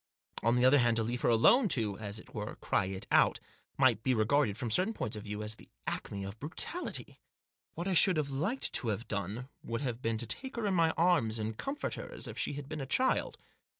On the other hand, to leave her alone to, as it were, cry it out, might be regarded, from certain points of view, as the acme of brutality. What I should have liked to have done would have been to take her in my arms, and comfort her as if she had been a child.